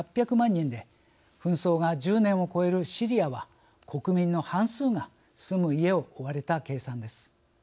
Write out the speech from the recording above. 人で紛争が１０年を超えるシリアは国民の半数が住む家を追われた計算です。